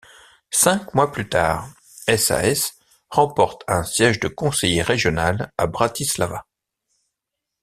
Cinq mois plus tard, SaS remporte un siège de conseiller régional à Bratislava.